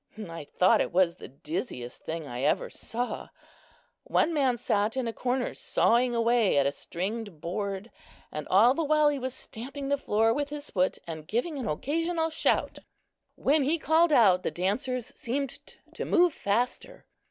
I thought it was the dizziest thing I ever saw. One man sat in a corner, sawing away at a stringed board, and all the while he was stamping the floor with his foot and giving an occasional shout. When he called out, the dancers seemed to move faster.